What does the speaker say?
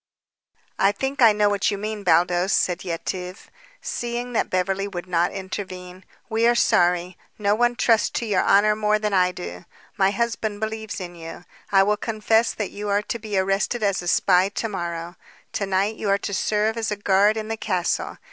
"I think I know what you mean, Baldos," said Yetive, seeing that Beverly would not intervene. "We are sorry. No one trusts to your honor more than I do. My husband believes in you. I will confess that you are to be arrested as a spy to morrow. To night you are to serve as a guard in the castle.